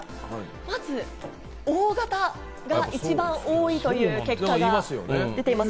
まずＯ型が一番多いという結果が出ています。